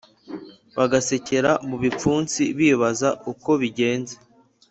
bagasekera mu bipfunsibibaza uko bigenze